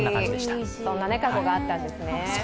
そんな過去があったんですね。